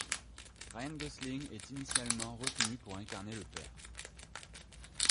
Ryan Gosling est initialement retenu pour incarner le père.